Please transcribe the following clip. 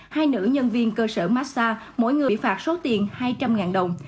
hai nữ nhân viên cơ sở massage mỗi người phạt số tiền hai trăm linh đồng